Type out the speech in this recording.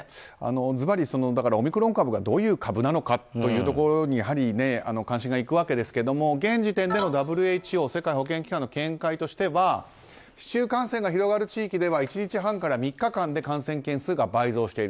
ずばり、オミクロン株がどういう株なのかというところにやはり関心がいくわけですが現時点でのＷＨＯ・世界保健機関の見解としては市中感染が広がる地域では１日半から３日間で感染件数が倍増している。